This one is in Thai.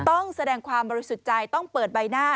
ต้องแสดงความบริสุทธิ์ใจต้องเปิดใบหน้า